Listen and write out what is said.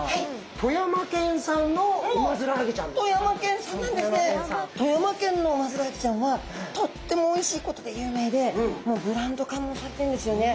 富山県のウマヅラハギちゃんはとってもおいしいことでゆうめいでもうブランドかもされてんですよね。